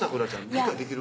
理解できる？